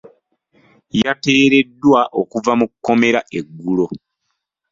Yateereddwa okuva mu kkomera eggulo.